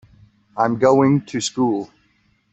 I'm going to school.